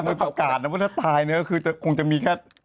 น่าจะเป็นประกาศนะว่าถ้าตายเนี่ยคือคงจะมีแค่